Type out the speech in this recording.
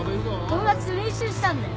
友達と練習したんだよ。